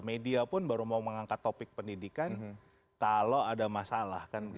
media pun baru mau mengangkat topik pendidikan kalau ada masalah